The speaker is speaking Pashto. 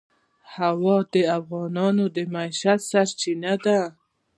هوا د افغانانو د معیشت سرچینه ده.